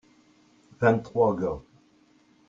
vingt trois gars.